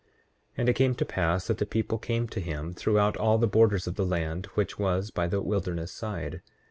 8:5 And it came to pass that the people came to him throughout all the borders of the land which was by the wilderness side.